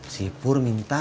si pur minta